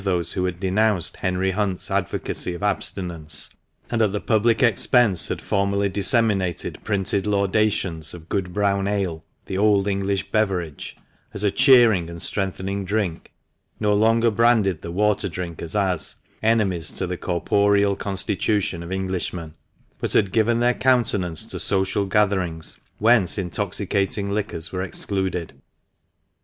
those who had denounced Henry Hunt's advocacy of abstinence and at the public expense had formerly disseminated printed laudations of good brown ale, the " old English beverage," as " a cheering and strengthening drink," no longer branded the water drinkers as " enemies to the corporeal constitution of Englishmen," but had given their countenance to social gatherings whence intoxicating liquors were excluded.